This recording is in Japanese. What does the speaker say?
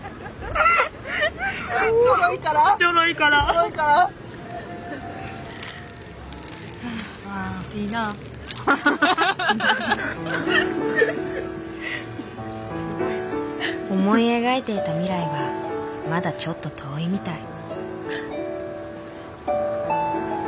思い描いていた未来はまだちょっと遠いみたい。